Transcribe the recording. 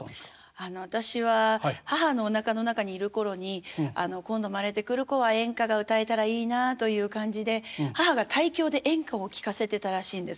あの私は母のおなかの中にいる頃に今度生まれてくる子は演歌が歌えたらいいなあという感じで母が胎教で演歌を聞かせてたらしいんです。